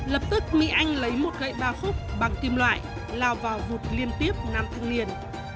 lập tức mỹ anh lấy một gậy ba khúc bằng kim loại lao vào vụt liên tiếp nam thanh niên